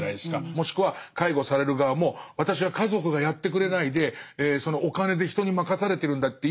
もしくは介護される側も私は家族がやってくれないでそのお金で人に任されてるんだって意識を持っちゃう人